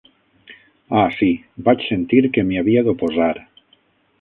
Ah, sí, vaig sentir que m'hi havia d'oposar.